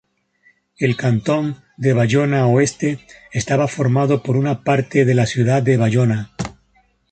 El cantón de Bayona-Oeste estaba formado por una parte de la ciudad de Bayona.